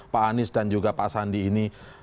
pak anies dan juga pak sandi ini